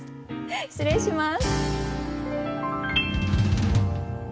失礼します。